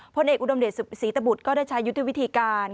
พลเอกอุดมเดชศรีตบุตรก็ได้ใช้ยุทธวิธีการ